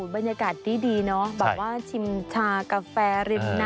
บรรยากาศดีเนาะแบบว่าชิมชากาแฟริมน้ำ